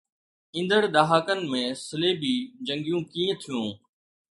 ايندڙ ڏهاڪن ۾ صليبي جنگيون ڪيئن ٿيون؟